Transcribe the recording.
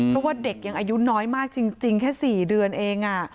เพราะว่าเด็กยังอายุน้อยมากจริงแค่๔เดือนเอง